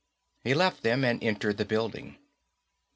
He left them and entered the building.